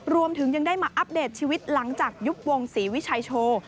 รวมถึงยังได้มาอัปเดตชีวิตหลังจากยุบวงศรีวิชัยโชว์